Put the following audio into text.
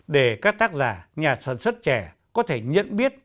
để các tác giả nhà sản xuất trẻ có thể nhận biết